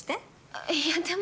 あっいやでも。